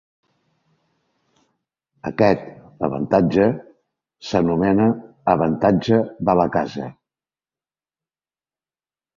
Aquest avantatge s'anomena "avantatge de la casa".